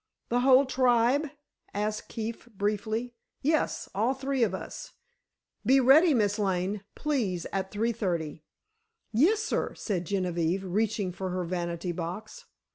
"The whole tribe?" asked Keefe, briefly. "Yes; all three of us. Be ready, Miss Lane, please, at three thirty." "Yes, sir," said Genevieve, reaching for her vanity box.